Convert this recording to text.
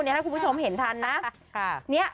ถ้าคุณผู้ชมเห็นทันนะ